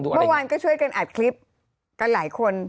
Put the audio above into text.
เมื่อวานก็ช่วยกันอัดคลิปกันหลายคน